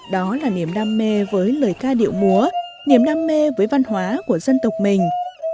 đó là niềm đam mê với lời ca điệu múa niềm đam mê với văn hóa của dân tộc mình